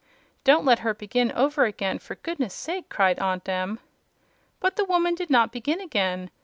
"Don't let her begin over again, for goodness sake!" cried Aunt Em. But the woman did not begin again.